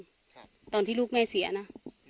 ครับตอนที่ลูกแม่เสียนะ